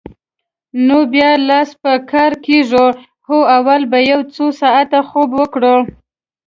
نو بیا لاس په کار کېږو؟ هو، اول به یو څو ساعته خوب وکړو.